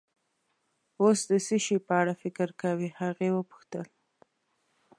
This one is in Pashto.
اوس د څه شي په اړه فکر کوې؟ هغې وپوښتل.